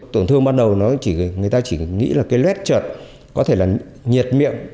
tổn thương ban đầu người ta chỉ nghĩ là cái lết trợt có thể là nhiệt miệng